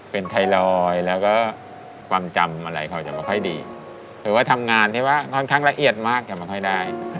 เป็นไทรอยด์แล้วก็ความจำอะไรเขาจะไม่ค่อยดีหรือว่าทำงานที่ว่าค่อนข้างละเอียดมากจะไม่ค่อยได้